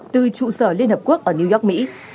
từ trụ sở liên hợp quốc ở new york mỹ